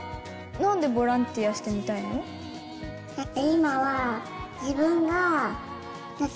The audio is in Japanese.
なんでボランティアしてみただって